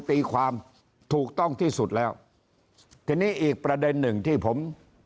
ตีความถูกต้องที่สุดแล้วทีนี้อีกประเด็นหนึ่งที่ผม